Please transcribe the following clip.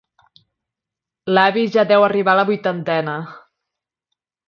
L'avi ja deu arribar a la vuitantena.